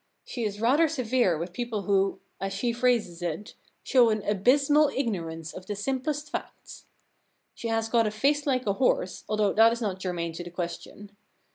She is rather severe with people who, as she phrases it, show an abysmal ignorance of the simplest facts. She has got a face like a horse, though that is not germane to the question.